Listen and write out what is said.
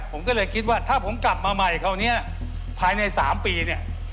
ผมก็เลยคิดว่าถ้าผมกลับมาใหม่คราวนี้ภายใน๓ปีเนี่ย